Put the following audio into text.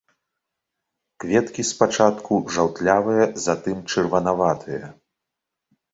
Кветкі спачатку жаўтлявыя, затым чырванаватыя.